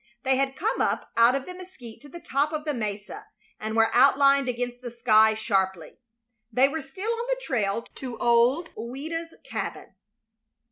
They had come up out of the mesquite to the top of the mesa, and were outlined against the sky sharply. They were still on the trail to old Ouida's cabin!